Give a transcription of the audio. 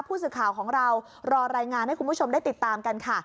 ผู้สื่อข่าวของเรารอรายงานให้คุณผู้ชมได้ติดตามกันค่ะ